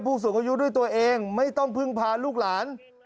ผู้สูงอายุด้วยตัวเองไม่ต้องพึ่งพาลูกหลาน